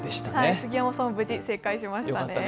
杉山さんも無事、正解しました。